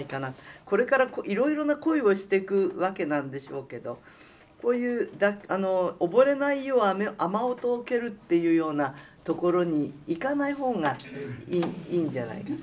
これからいろいろな恋をしていくわけなんでしょうけどこういう「溺れないやう雨音を蹴る」というようなところにいかない方がいいんじゃないか。